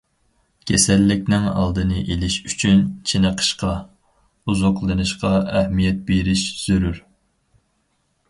كېسەللىكنىڭ ئالدىنى ئېلىش ئۈچۈن چېنىقىشقا، ئوزۇقلىنىشقا ئەھمىيەت بېرىش زۆرۈر.